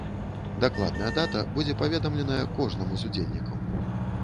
Дакладная дата будзе паведамленая кожнаму з удзельнікаў.